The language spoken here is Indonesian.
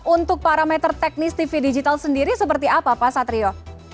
untuk parameter teknis tv digital sendiri seperti apa pak satrio